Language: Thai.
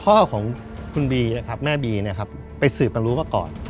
พ่อของคุณบีแม่บีไปสืบมันรู้ล่ะก่อน